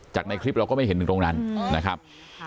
จากในคลิปเราก็คงไม่เห็นตรงนั้นนะครับ